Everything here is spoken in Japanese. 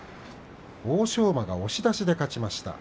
欧勝馬が押し出しで勝ちました。